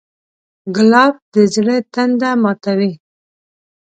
ګلاب د زړه تنده ماتوي.